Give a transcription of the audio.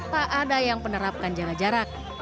tak ada yang penerapkan jarak jarak